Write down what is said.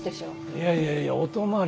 いやいやいやお泊まり